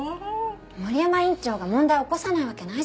森山院長が問題を起こさないわけないじゃない。